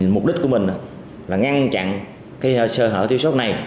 mục đích của mình là ngăn chặn cái sơ hở tiêu xuất này